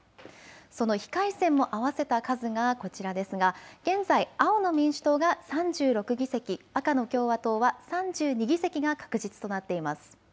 その非改選も合わせた数がこちらですが、現在、青の民主党が３６議席、赤の共和党は３２議席が確実となっています。